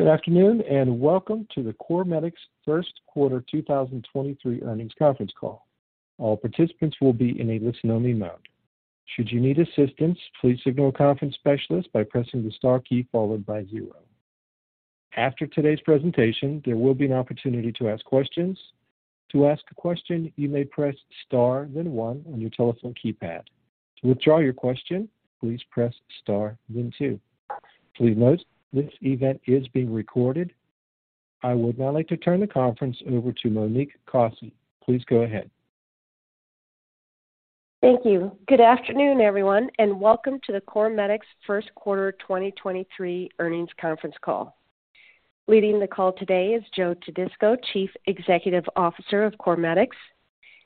Good afternoon. Welcome to the CorMedix first quarter 2023 earnings conference call. All participants will be in a listen-only mode. Should you need assistance, please signal a conference specialist by pressing the star key followed by zero. After today's presentation, there will be an opportunity to ask questions. To ask a question, you may press star then one on your telephone keypad. To withdraw your question, please press star then two. Please note this event is being recorded. I would now like to turn the conference over to Monique Kosse. Please go ahead. Thank you. Good afternoon, everyone, welcome to the CorMedix first quarter 2023 earnings conference call. Leading the call today is Joseph Todisco, Chief Executive Officer of CorMedix.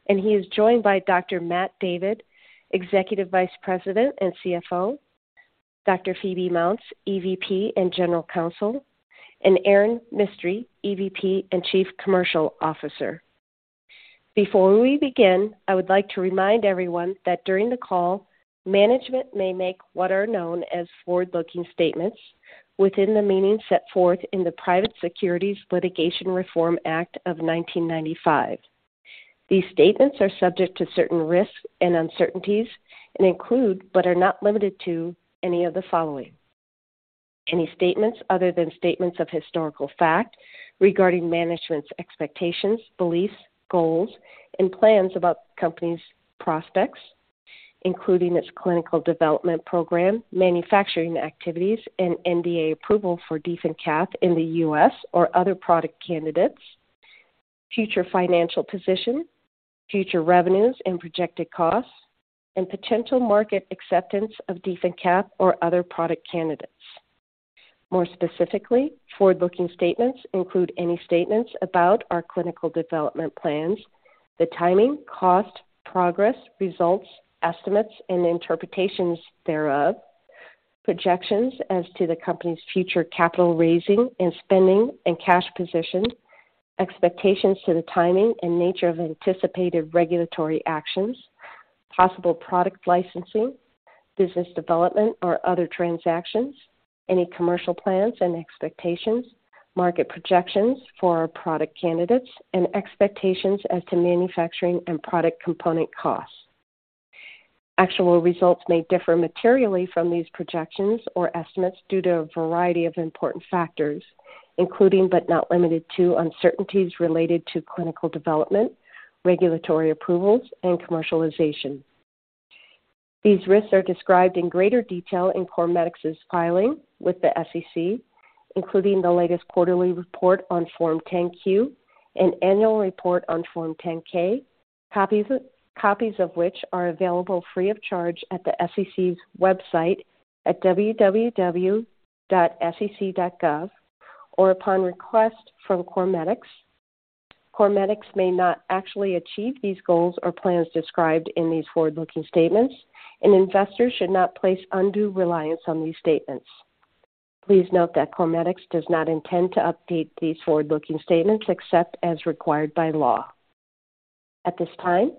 He is joined by Matt David, Executive Vice President and CFO, Phoebe Mounts, EVP and General Counsel, and Erin Mistry, EVP and Chief Commercial Officer. Before we begin, I would like to remind everyone that during the call, management may make what are known as forward-looking statements within the meaning set forth in the Private Securities Litigation Reform Act of 1995. These statements are subject to certain risks and uncertainties, include, but are not limited to, any of the following. Any statements other than statements of historical fact regarding management's expectations, beliefs, goals, and plans about the company's prospects, including its clinical development program, manufacturing activities, and NDA approval for DefenCath in the U.S. or other product candidates, future financial position, future revenues and projected costs, and potential market acceptance of DefenCath or other product candidates. More specifically, forward-looking statements include any statements about our clinical development plans, the timing, cost, progress, results, estimates and interpretations thereof, projections as to the company's future capital raising and spending and cash position, expectations to the timing and nature of anticipated regulatory actions, possible product licensing, business development or other transactions, any commercial plans and expectations, market projections for our product candidates, and expectations as to manufacturing and product component costs. Actual results may differ materially from these projections or estimates due to a variety of important factors, including but not limited to uncertainties related to clinical development, regulatory approvals, and commercialization. These risks are described in greater detail in CorMedix's filing with the SEC, including the latest quarterly report on Form 10-Q and annual report on Form 10-K. Copies of which are available free of charge at the SEC's website at www.sec.gov or upon request from CorMedix. CorMedix may not actually achieve these goals or plans described in these forward-looking statements, and investors should not place undue reliance on these statements. Please note that CorMedix does not intend to update these forward-looking statements except as required by law. At this time,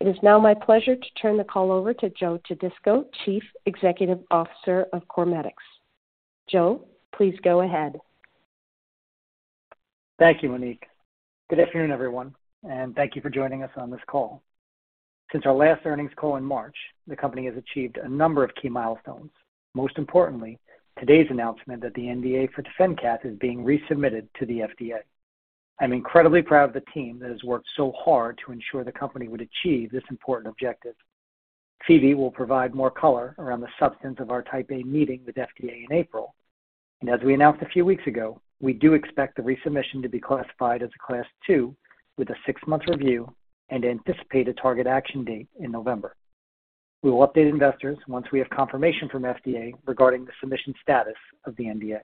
it is now my pleasure to turn the call over to Joseph Todisco, Chief Executive Officer of CorMedix. Joe, please go ahead. Thank you, Monique. Good afternoon, everyone, thank you for joining us on this call. Since our last earnings call in March, the company has achieved a number of key milestones. Most importantly, today's announcement that the NDA for DefenCath is being resubmitted to the FDA. I'm incredibly proud of the team that has worked so hard to ensure the company would achieve this important objective. Phoebe will provide more color around the substance of our Type A meeting with FDA in April. As we announced a few weeks ago, we do expect the resubmission to be classified as a Class 2 with a six-month review and anticipate a target action date in November. We will update investors once we have confirmation from FDA regarding the submission status of the NDA.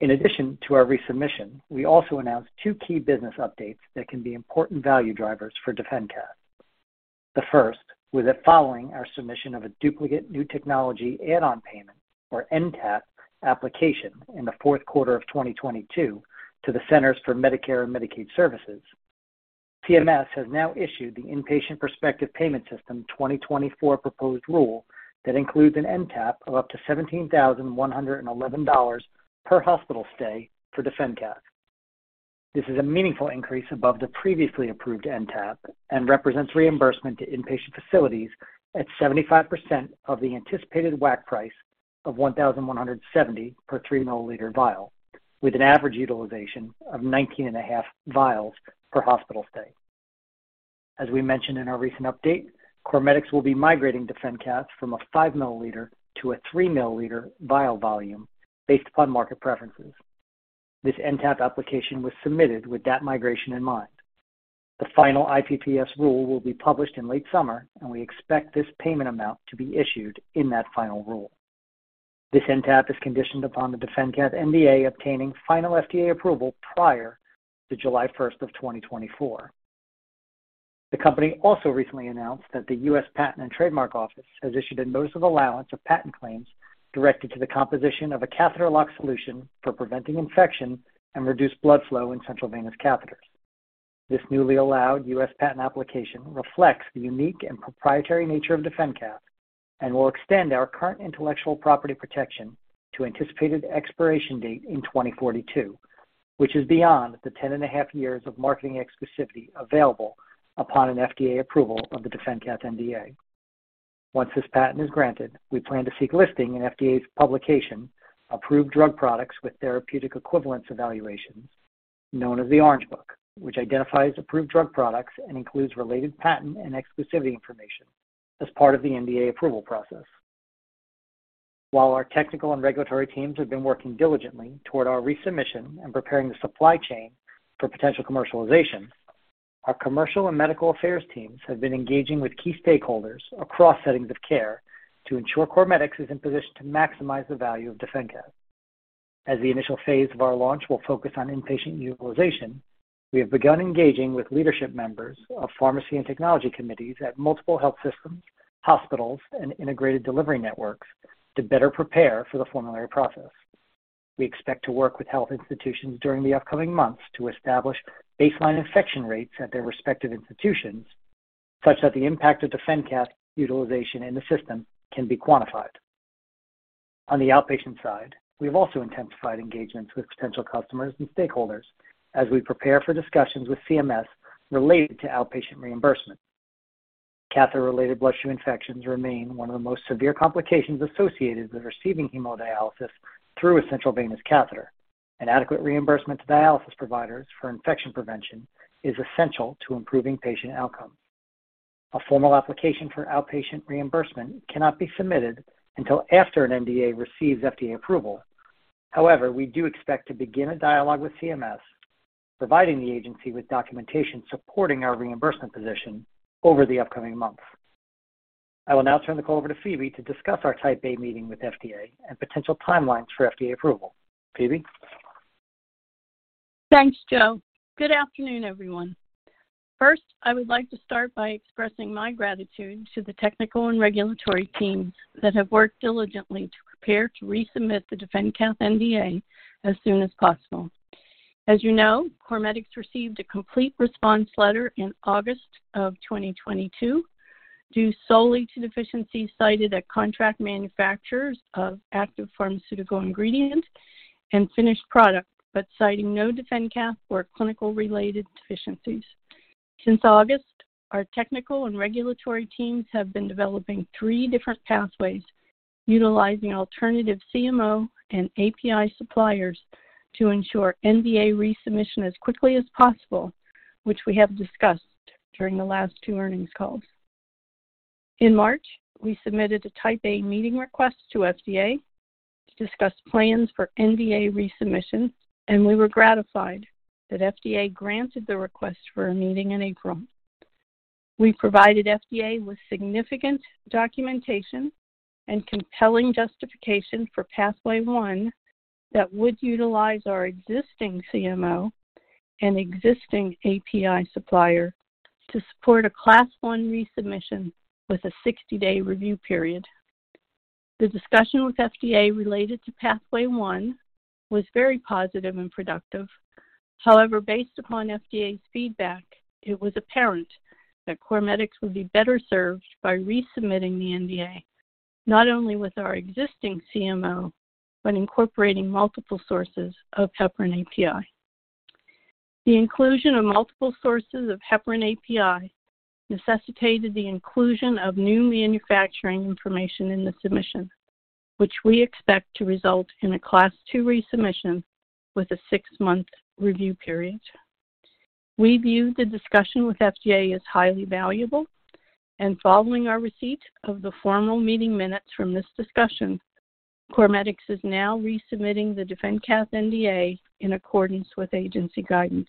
In addition to our resubmission, we also announced two key business updates that can be important value drivers for DefenCath. Following our submission of a duplicate new technology add-on payment, or NTAP application in the fourth quarter of 2022 to the Centers for Medicare and Medicaid Services. CMS has now issued the Inpatient Prospective Payment System 2024 proposed rule that includes an NTAP of up to $17,111 per hospital stay for DefenCath. This is a meaningful increase above the previously approved NTAP and represents reimbursement to inpatient facilities at 75% of the anticipated WAC price of $1,170 per 3-mL vial with an average utilization of 19.5 vials per hospital stay. As we mentioned in our recent update, CorMedix will be migrating DefenCath from a 5 mL to a 3 mL vial volume based upon market preferences. This NTAP application was submitted with that migration in mind. The final IPPS rule will be published in late summer, and we expect this payment amount to be issued in that final rule. This NTAP is conditioned upon the DefenCath NDA obtaining final FDA approval prior to July first of 2024. The company also recently announced that the U.S. Patent and Trademark Office has issued a notice of allowance of patent claims directed to the composition of a catheter lock solution for preventing infection and reduced blood flow in central venous catheters. This newly allowed U.S. patent application reflects the unique and proprietary nature of DefenCath and will extend our current intellectual property protection to anticipated expiration date in 2042, which is beyond the 10.5 years of marketing exclusivity available upon an FDA approval of the DefenCath NDA. Once this patent is granted, we plan to seek listing in FDA's publication, Approved Drug Products with Therapeutic Equivalence Evaluations, known as the Orange Book, which identifies approved drug products and includes related patent and exclusivity information as part of the NDA approval process. While our technical and regulatory teams have been working diligently toward our resubmission and preparing the supply chain for potential commercialization, our commercial and medical affairs teams have been engaging with key stakeholders across settings of care to ensure CorMedix is in position to maximize the value of DefenCath. As the initial phase of our launch will focus on inpatient utilization, we have begun engaging with leadership members of pharmacy and technology committees at multiple health systems, hospitals, and integrated delivery networks to better prepare for the formulary process. We expect to work with health institutions during the upcoming months to establish baseline infection rates at their respective institutions such that the impact of DefenCath utilization in the system can be quantified. On the outpatient side, we have also intensified engagements with potential customers and stakeholders as we prepare for discussions with CMS related to outpatient reimbursement. Catheter-related bloodstream infections remain one of the most severe complications associated with receiving hemodialysis through a central venous catheter. An adequate reimbursement to dialysis providers for infection prevention is essential to improving patient outcome. A formal application for outpatient reimbursement cannot be submitted until after an NDA receives FDA approval. We do expect to begin a dialogue with CMS, providing the agency with documentation supporting our reimbursement position over the upcoming months. I will now turn the call over to Phoebe to discuss our Type A meeting with FDA and potential timelines for FDA approval. Phoebe? Thanks, Joe. Good afternoon, everyone. First, I would like to start by expressing my gratitude to the technical and regulatory teams that have worked diligently to prepare to resubmit the DefenCath NDA as soon as possible. As you know, CorMedix received a complete response letter in August of 2022 due solely to deficiencies cited at contract manufacturers of active pharmaceutical ingredient and finished product, but citing no DefenCath or clinical related deficiencies. Since August, our technical and regulatory teams have been developing three different pathways utilizing alternative CMO and API suppliers to ensure NDA resubmission as quickly as possible, which we have discussed during the last two earnings calls. In March, we submitted a Type A meeting request to FDA to discuss plans for NDA resubmission. We were gratified that FDA granted the request for a meeting in April. We provided FDA with significant documentation and compelling justification for Pathway 1 that would utilize our existing CMO and existing API supplier to support a Class 1 resubmission with a 60-day review period. The discussion with FDA related to Pathway 1 was very positive and productive. Based upon FDA's feedback, it was apparent that CorMedix would be better served by resubmitting the NDA not only with our existing CMO, but incorporating multiple sources of heparin API. The inclusion of multiple sources of heparin API necessitated the inclusion of new manufacturing information in the submission, which we expect to result in a Class 2 resubmission with a six-month review period. We view the discussion with FDA as highly valuable, and following our receipt of the formal meeting minutes from this discussion, CorMedix is now resubmitting the DefenCath NDA in accordance with agency guidance.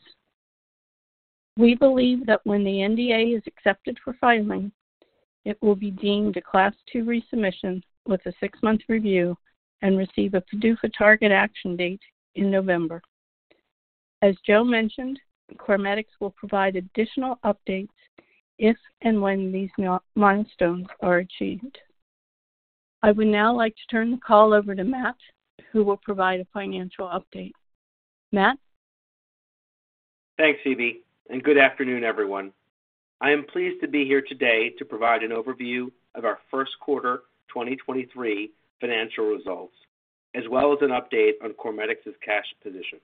We believe that when the NDA is accepted for filing, it will be deemed a Class 2 resubmission with a six-month review and receive a PDUFA target action date in November. As Joe mentioned, CorMedix will provide additional updates if and when these milestones are achieved. I would now like to turn the call over to Matt, who will provide a financial update. Matt? Thanks, Phoebe. Good afternoon, everyone. I am pleased to be here today to provide an overview of our first quarter 2023 financial results, as well as an update on CorMedix's cash position.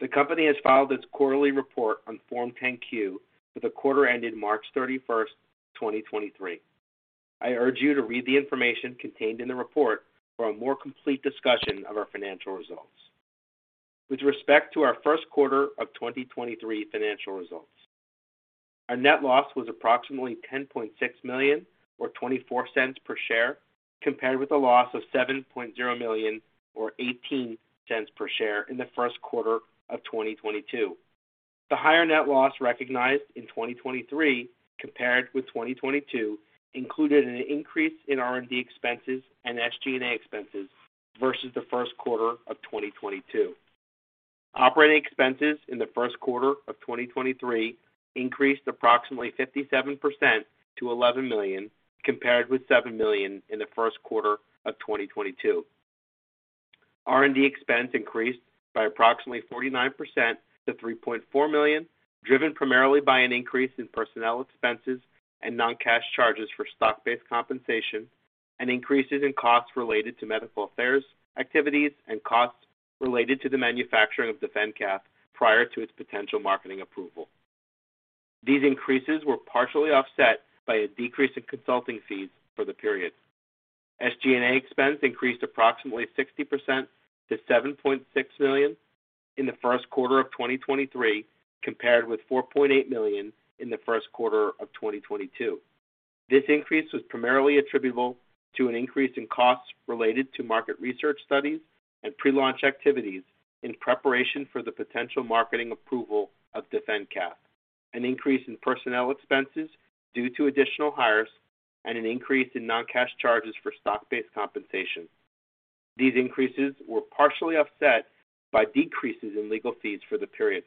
The company has filed its quarterly report on Form 10-Q for the quarter ended March 31st, 2023. I urge you to read the information contained in the report for a more complete discussion of our financial results. With respect to our first quarter of 2023 financial results, our net loss was approximately $10.6 million or $0.24 per share, compared with a loss of $7.0 million or $0.18 per share in the first quarter of 2022. The higher net loss recognized in 2023 compared with 2022 included an increase in R&D expenses and SG&A expenses versus the first quarter of 2022. Operating expenses in the first quarter of 2023 increased approximately 57% to $11 million, compared with $7 million in the first quarter of 2022. R&D expense increased by approximately 49% to $3.4 million, driven primarily by an increase in personnel expenses and non-cash charges for stock-based compensation and increases in costs related to medical affairs activities and costs related to the manufacturing of DefenCath prior to its potential marketing approval. These increases were partially offset by a decrease in consulting fees for the period. SG&A expense increased approximately 60% to $7.6 million in the first quarter of 2023 compared with $4.8 million in the first quarter of 2022. This increase was primarily attributable to an increase in costs related to market research studies and pre-launch activities in preparation for the potential marketing approval of DefenCath, an increase in personnel expenses due to additional hires, and an increase in non-cash charges for stock-based compensation. These increases were partially offset by decreases in legal fees for the period.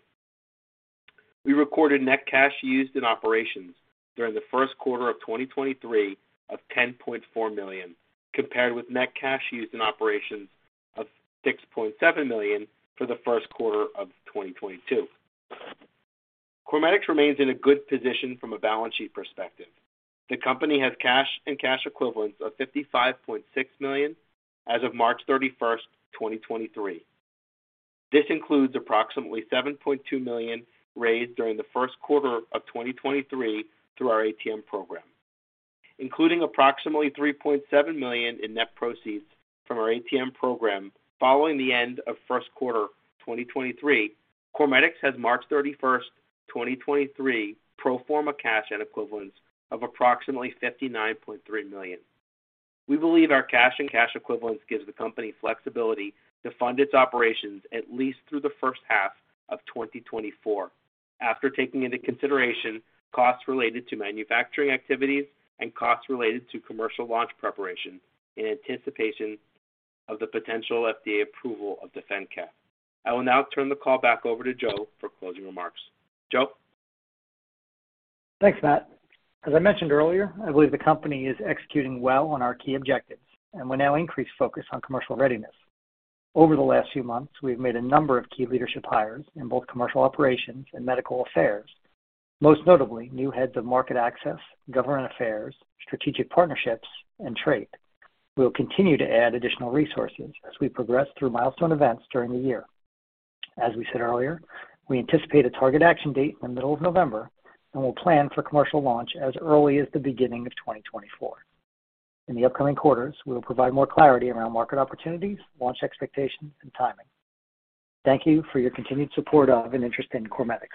We recorded net cash used in operations during the first quarter of 2023 of $10.4 million, compared with net cash used in operations of $6.7 million for the first quarter of 2022. CorMedix remains in a good position from a balance sheet perspective. The company has cash and cash equivalents of $55.6 million as of March 31st, 2023. This includes approximately $7.2 million raised during the first quarter of 2023 through our ATM program. Including approximately $3.7 million in net proceeds from our ATM program following the end of first quarter 2023, CorMedix has March 31st, 2023 pro forma cash and equivalents of approximately $59.3 million. We believe our cash and cash equivalents gives the company flexibility to fund its operations at least through the first half of 2024 after taking into consideration costs related to manufacturing activities and costs related to commercial launch preparation in anticipation of the potential FDA approval of DefenCath. I will now turn the call back over to Joe for closing remarks. Joe? Thanks, Matt. As I mentioned earlier, I believe the company is executing well on our key objectives, and we're now increased focus on commercial readiness. Over the last few months, we've made a number of key leadership hires in both commercial operations and medical affairs. Most notably, new heads of market access, government affairs, strategic partnerships, and trade. We will continue to add additional resources as we progress through milestone events during the year. As we said earlier, we anticipate a target action date in the middle of November, and we'll plan for commercial launch as early as the beginning of 2024. In the upcoming quarters, we will provide more clarity around market opportunities, launch expectations, and timing. Thank you for your continued support of and interest in CorMedix.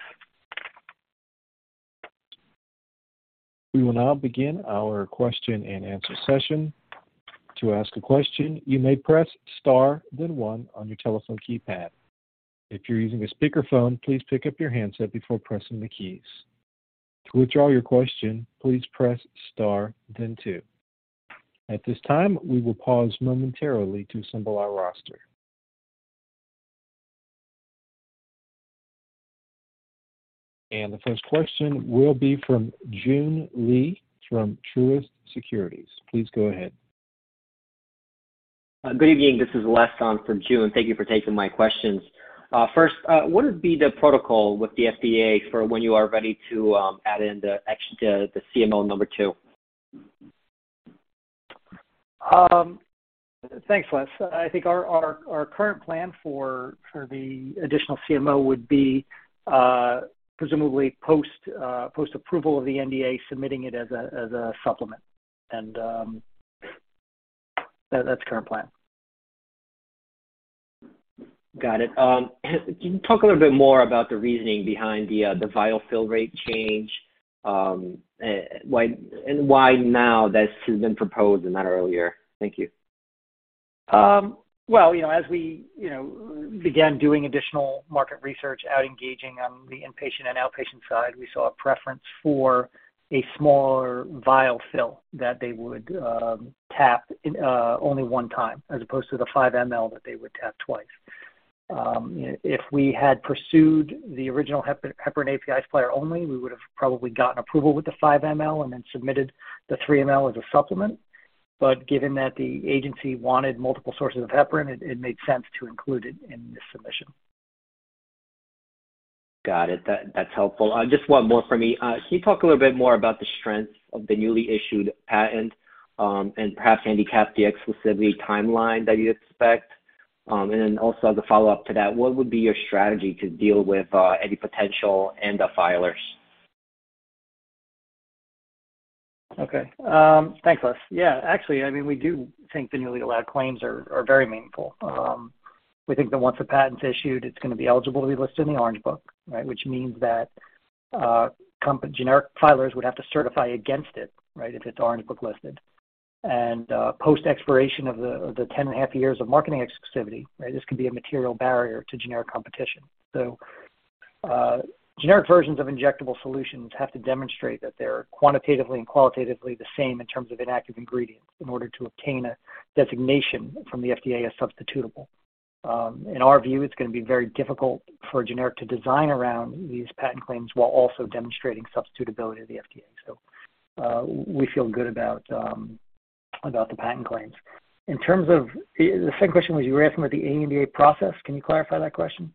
We will now begin our question-and-answer session. To ask a question, you may press star then one on your telephone keypad. If you're using a speakerphone, please pick up your handset before pressing the keys. To withdraw your question, please press star then two. At this time, we will pause momentarily to assemble our roster. The first question will be from Joon Lee from Truist Securities. Please go ahead. Good evening. This is Les Sulewski from Joon. Thank you for taking my questions. First, what would be the protocol with the FDA for when you are ready to add in the CMO Number 2? Thanks, Les. I think our current plan for the additional CMO would be presumably post post-approval of the NDA, submitting it as a, as a supplement. That's current plan. Got it. Can you talk a little bit more about the reasoning behind the vial fill rate change, and why now this has been proposed and not earlier? Thank you. Well, you know, as we, you know, began doing additional market research out engaging on the inpatient and outpatient side, we saw a preference for a smaller vial fill that they would tap only one time as opposed to the 5 mL that they would tap twice. If we had pursued the original heparin API supplier only, we would've probably gotten approval with the 5 mL and then submitted the 3 mL as a supplement. Given that the agency wanted multiple sources of heparin, it made sense to include it in this submission. Got it. That's helpful. Just one more for me. Can you talk a little bit more about the strength of the newly issued patent, and perhaps handicap the exclusivity timeline that you'd expect? Also as a follow-up to that, what would be your strategy to deal with any potential ANDA filers? Okay. Thanks, Les. Actually, I mean, we do think the newly allowed claims are very meaningful. We think that once a patent's issued, it's gonna be eligible to be listed in the Orange Book, right? Means that generic filers would have to certify against it, right? If it's Orange Book listed. Post-expiration of the 10.5 years of marketing exclusivity, right? This could be a material barrier to generic competition. Generic versions of injectable solutions have to demonstrate that they're quantitatively and qualitatively the same in terms of inactive ingredients in order to obtain a designation from the FDA as substitutable. In our view, it's gonna be very difficult for a generic to design around these patent claims while also demonstrating substitutability to the FDA. We feel good about the patent claims. In terms of the same question was you were asking about the ANDA process, can you clarify that question?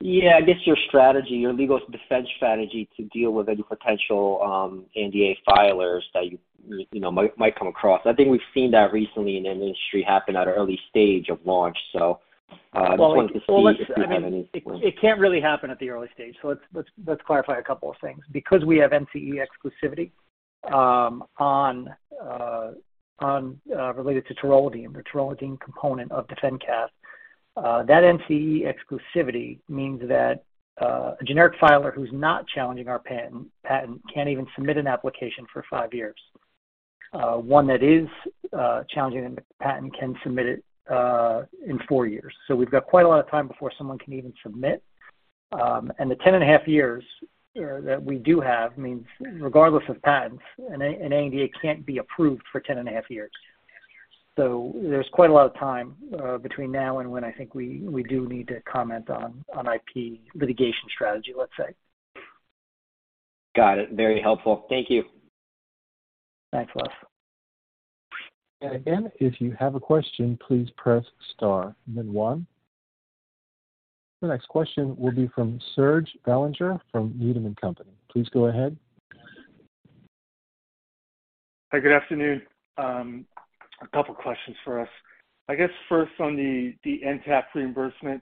I guess your strategy, your legal defense strategy to deal with any potential NDA filers that you know, might come across. I think we've seen that recently in an industry happen at an early stage of launch. I'm just wanting to see if you have any plans? I mean, it can't really happen at the early stage, so let's clarify a couple of things. We have NCE exclusivity related to taurolidine, the taurolidine component of DefenCath. That NCE exclusivity means that a generic filer who's not challenging our patent can't even submit an application for five years. One that is challenging the patent can submit it in four years. We've got quite a lot of time before someone can even submit. The 10.5 years that we do have means regardless of patents, an ANDA can't be approved for 10.5 years. There's quite a lot of time between now and when I think we do need to comment on IP litigation strategy, let's say. Got it. Very helpful. Thank you. Thanks, Les. Again, if you have a question, please press star then one. The next question will be from Serge Belanger from Needham & Company. Please go ahead. Hi, good afternoon. A couple questions for us. I guess first on the NTAP reimbursement.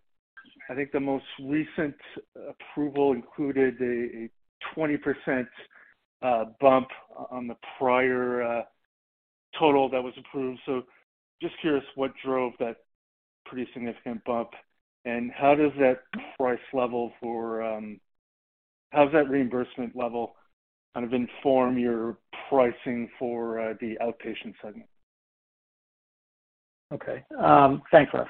I think the most recent approval included a 20% bump on the prior total that was approved. Just curious what drove that pretty significant bump, and how does that price level for, how's that reimbursement level kind of inform your pricing for the outpatient segment? Okay. Thanks, Serge.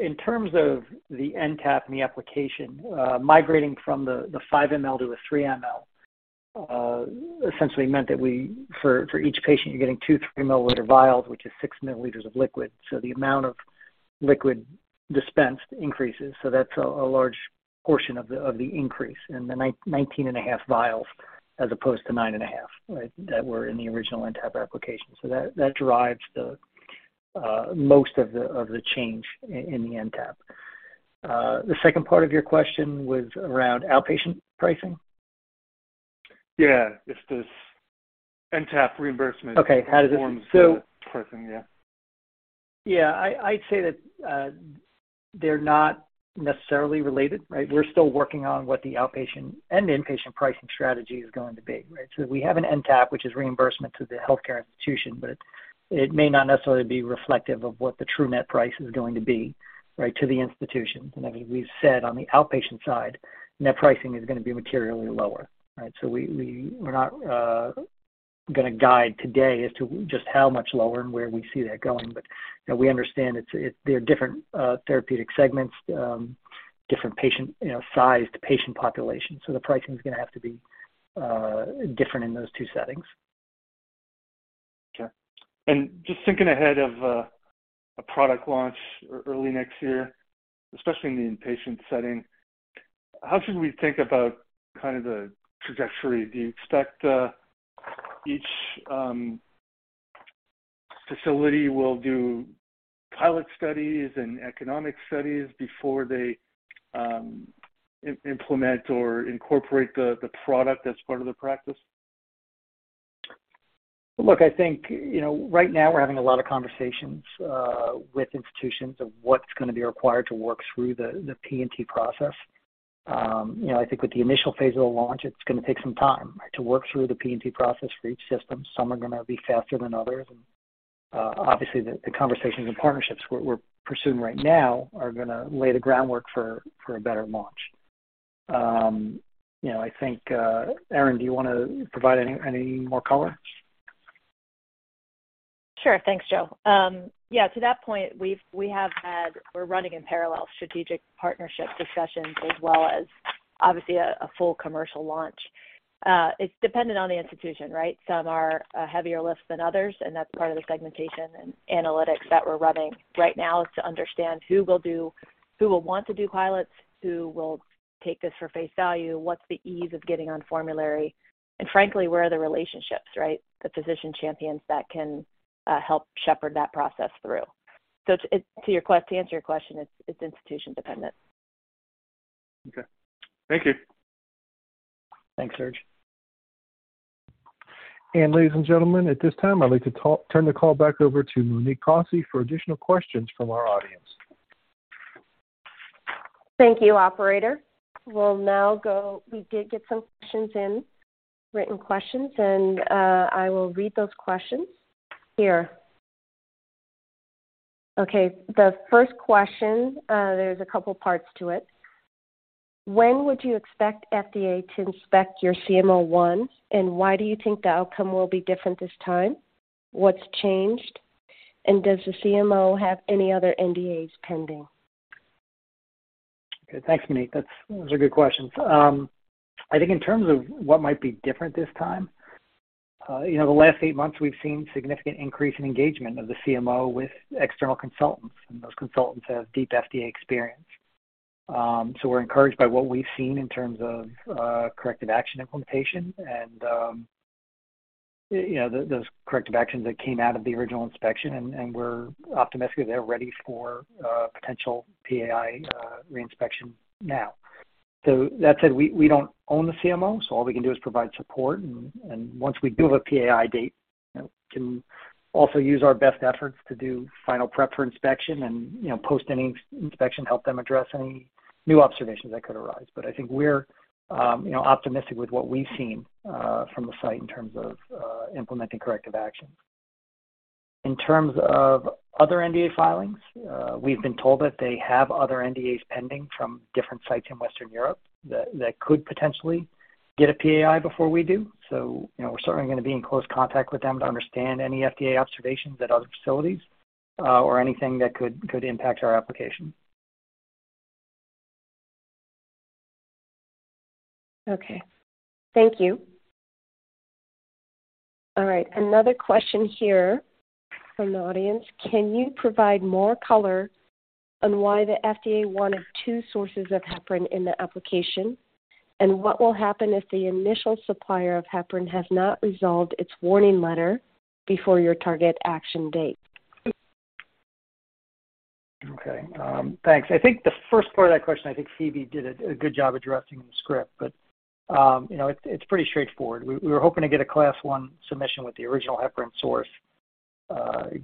In terms of the NTAP and the application, migrating from the 5 mL to a 3 mL, essentially meant that we, for each patient, you're getting 2 mL, 3 mL vials, which is 6 mLs of liquid. The amount of liquid dispensed increases. That's a large portion of the increase in the 19.5 vials as opposed to 9.5, right, that were in the original NTAP application. That drives the most of the change in the NTAP. The second part of your question was around outpatient pricing? Yeah. If this NTAP reimbursement- Okay. How does Informs the pricing, yeah. Yeah. I'd say that they're not necessarily related, right? We're still working on what the outpatient and inpatient pricing strategy is going to be, right? We have an NTAP, which is reimbursement to the healthcare institution, but it may not necessarily be reflective of what the true net price is going to be, right, to the institution. I think we've said on the outpatient side, net pricing is gonna be materially lower, right? We're not gonna guide today as to just how much lower and where we see that going. You know, we understand it's they're different therapeutic segments, different patient, you know, sized patient populations. The pricing is gonna have to be different in those two settings. Okay. Just thinking ahead of a product launch early next year, especially in the inpatient setting, how should we think about kind of the trajectory? Do you expect each facility will do pilot studies and economic studies before they implement or incorporate the product as part of the practice? Look, I think, you know, right now we're having a lot of conversations, with institutions of what's gonna be required to work through the P&T process. You know, I think with the initial phase of the launch, it's gonna take some time to work through the P&T process for each system. Some are gonna be faster than others. Obviously, the conversations and partnerships we're pursuing right now are gonna lay the groundwork for a better launch. You know, I think, Erin, do you wanna provide any more color? Sure. Thanks, Joe. Yeah, to that point, we have had, we're running in parallel strategic partnership discussions as well as obviously a full commercial launch. It's dependent on the institution, right? Some are a heavier lift than others. That's part of the segmentation and analytics that we're running right now is to understand who will do, who will want to do pilots, who will take this for face value, what's the ease of getting on formulary, and frankly, where are the relationships, right? The physician champions that can help shepherd that process through. To answer your question, it's institution dependent. Okay. Thank you. Thanks, Serge. Ladies and gentlemen, at this time, I'd like to turn the call back over to Monique Kosse for additional questions from our audience. Thank you, operator. We did get some questions in, written questions. I will read those questions here. Okay. The first question, there's a couple parts to it. When would you expect FDA to inspect your CMO, and why do you think the outcome will be different this time? What's changed, and does the CMO have any other NDAs pending? Okay. Thanks, Monique. That's, those are good questions. I think in terms of what might be different this time, you know, the last eight months we've seen significant increase in engagement of the CMO with external consultants, and those consultants have deep FDA experience. We're encouraged by what we've seen in terms of corrective action implementation and, you know, those corrective actions that came out of the original inspection and we're optimistic they're ready for potential PAI re-inspection now. That said, we don't own the CMO, so all we can do is provide support. Once we do have a PAI date, you know, can also use our best efforts to do final prep for inspection and, you know, post any inspection, help them address any new observations that could arise. I think we're, you know, optimistic with what we've seen from the site in terms of implementing corrective action. In terms of other NDA filings, we've been told that they have other NDAs pending from different sites in Western Europe that could potentially get a PAI before we do. You know, we're certainly gonna be in close contact with them to understand any FDA observations at other facilities or anything that could impact our application. Okay. Thank you. All right. Another question here from the audience. Can you provide more color on why the FDA wanted two sources of heparin in the application? What will happen if the initial supplier of heparin has not resolved its warning letter before your target action date? Okay. Thanks. I think the first part of that question, Phoebe did a good job addressing in the script, but, you know, it's pretty straightforward. We were hoping to get a Class 1 submission with the original heparin source,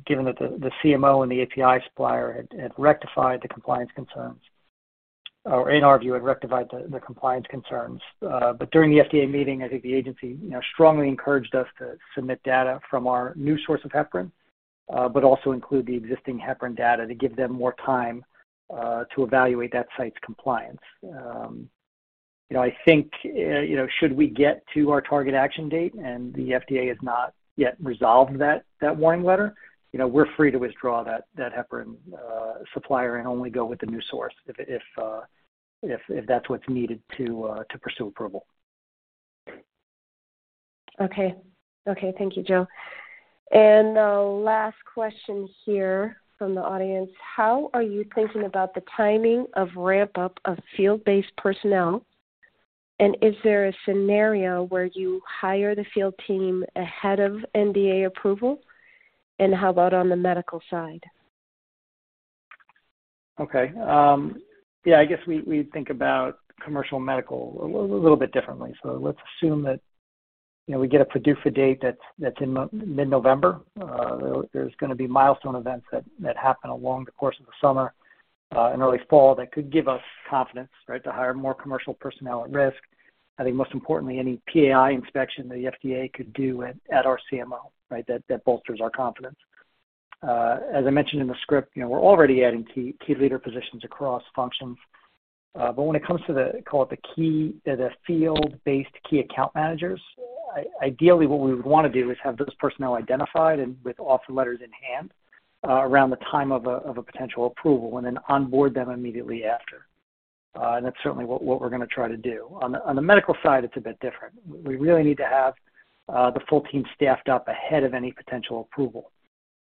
given that the CMO and the API supplier had rectified the compliance concerns, or in our view, had rectified the compliance concerns. During the FDA meeting, I think the agency, you know, strongly encouraged us to submit data from our new source of heparin, but also include the existing heparin data to give them more time to evaluate that site's compliance. You know, I think, you know, should we get to our target action date and the FDA has not yet resolved that warning letter, you know, we're free to withdraw that heparin supplier and only go with the new source if that's what's needed to pursue approval. Okay. Okay, thank you, Joe. The last question here from the audience. How are you thinking about the timing of ramp-up of field-based personnel? Is there a scenario where you hire the field team ahead of NDA approval? How about on the medical side? Okay. Yeah, I guess we think about commercial medical a little bit differently. Let's assume that, you know, we get a PDUFA date that's in mid-November. There's gonna be milestone events that happen along the course of the summer and early fall that could give us confidence, right, to hire more commercial personnel at risk. I think most importantly, any PAI inspection the FDA could do at our CMO, right? That bolsters our confidence. As I mentioned in the script, you know, we're already adding key leader positions across functions. When it comes to the field-based key account managers, ideally what we would wanna do is have those personnel identified and with offer letters in hand, around the time of a potential approval, and then onboard them immediately after. That's certainly what we're gonna try to do. On the medical side, it's a bit different. We really need to have the full team staffed up ahead of any potential approval.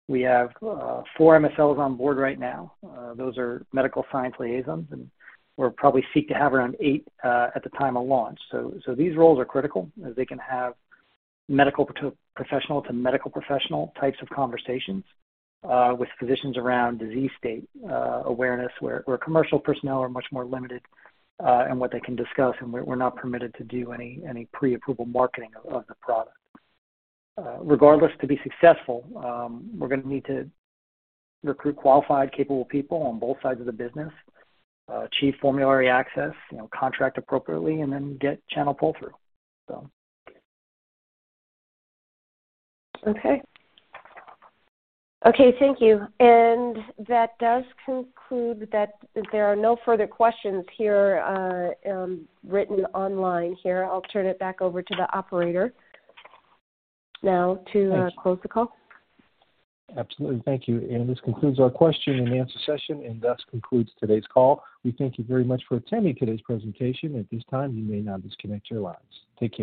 We have 4 MSLs on board right now. Those are Medical Science Liaisons, we'll probably seek to have around eight at the time of launch. These roles are critical as they can have medical professional to medical professional types of conversations with physicians around disease state awareness, where commercial personnel are much more limited in what they can discuss, and we're not permitted to do any pre-approval marketing of the product. Regardless, to be successful, we're gonna need to recruit qualified, capable people on both sides of the business, achieve formulary access, you know, contract appropriately, and then get channel pull-through. Okay. Okay, thank you. That does conclude that there are no further questions here, written online here. I'll turn it back over to the operator now. Thanks. To close the call. Absolutely. Thank you. This concludes our question and answer session, and thus concludes today's call. We thank you very much for attending today's presentation. At this time, you may now disconnect your lines. Take care.